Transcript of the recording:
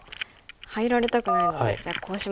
入られたくないのでじゃあこうしますか。